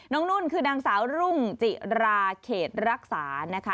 นุ่นคือนางสาวรุ่งจิราเขตรักษานะคะ